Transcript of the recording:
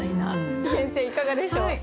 先生いかがでしょう？